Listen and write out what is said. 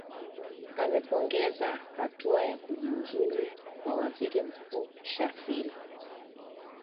amepongeza hatua ya kujiuzulu kwa waziri mkuu shafil